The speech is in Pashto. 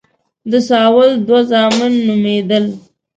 د ساول دوه زامن نومېدل.